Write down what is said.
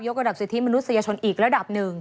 ระดับสิทธิมนุษยชนอีกระดับหนึ่ง